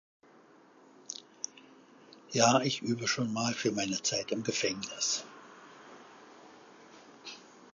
Ja, ich übe schon mal für meine Zeit im Gefängnis.